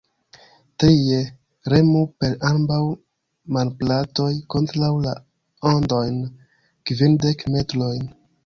Trie: remu per ambaŭ manplatoj kontraŭ la ondojn, kvindek metrojn.